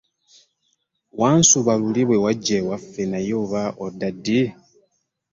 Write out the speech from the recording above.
Wansuba luli bwe wajja ewaffe naye oba odda ddi?